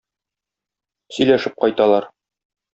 Сөйләшеп кайталар.